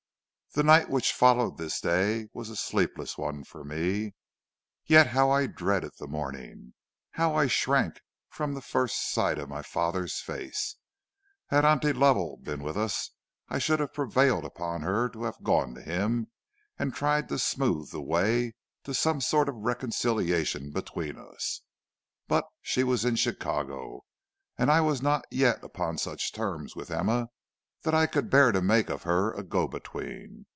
"The night which followed this day was a sleepless one for me. Yet how I dreaded the morning! How I shrank from the first sight of my father's face! Had Auntie Lovell been with us I should have prevailed upon her to have gone to him and tried to smooth the way to some sort of reconciliation between us, but she was in Chicago, and I was not yet upon such terms with Emma that I could bear to make of her a go between.